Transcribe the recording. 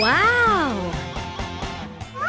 ว้าว